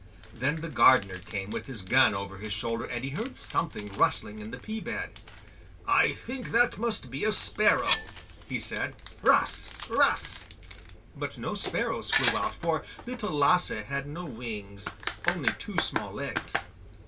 Then the gardener came with his gun over his shoulder, and he heard something rustling in the pea bed. 'I think that must be a sparrow,' he said. 'Ras! Ras!' but no sparrows flew out, for Little Lasse had no wings, only two small legs.